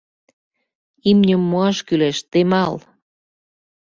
— Имньым муаш кӱлеш, Темал!